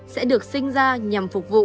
sẽ được sinh ra nhằm phục vụ